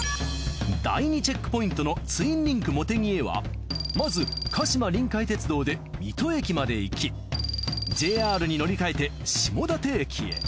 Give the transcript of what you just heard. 第２チェックポイントのツインリンクもてぎへはまず鹿島臨海鉄道で水戸駅まで行きＪＲに乗り換えて下館駅へ。